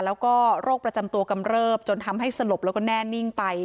แล้วก็โรคประจำตัวกำเริบจนทำให้สลบแล้วก็แน่นิ่งไป